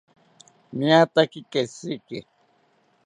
Niataki keshiki